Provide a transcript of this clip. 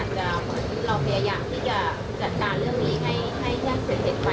จัดการเรื่องมีให้ย่างเศรษฐ์ไป